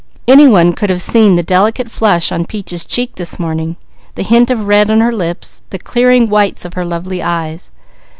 Any one could have seen the delicate flush on Peaches' cheek that morning, the hint of red on her lips, the clearing whites of her lovely eyes.